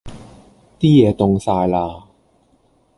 啲野凍曬啦!